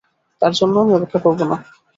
তাঁর জন্য আমি অপেক্ষা করব না।